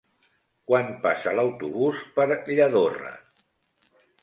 Quan passa l'autobús per Lladorre?